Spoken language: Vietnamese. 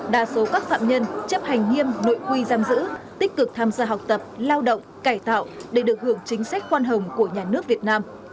đa số các phạm nhân chấp hành nghiêm nội quy giam giữ tích cực tham gia học tập lao động cải tạo để được hưởng chính sách khoan hồng của nhà nước việt nam